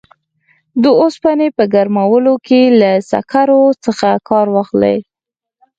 د اوسپنې په ګرمولو کې له سکرو څخه کار واخلي.